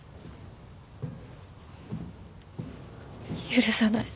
許さない。